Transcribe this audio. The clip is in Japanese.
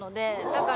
だから。